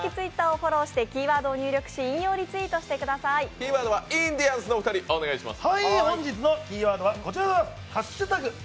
キーワードはインディアンスのお二人、お願いします。